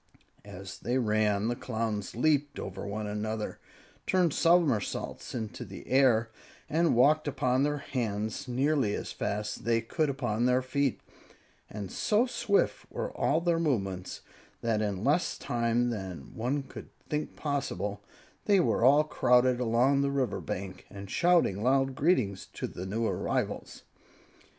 As they ran, the Clowns leaped over one another, turned somersaults into the air, and walked upon their hands nearly as fast as they could upon their feet; and so swift were all their movements that, in less time than one could think possible, they were all crowded along the river bank, and shouting loud greetings to the new arrivals.